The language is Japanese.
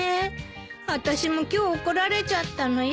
あたしも今日怒られちゃったのよ